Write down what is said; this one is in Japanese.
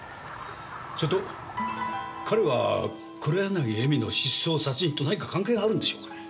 それと彼は黒柳恵美の失踪殺人と何か関係があるんでしょうかね。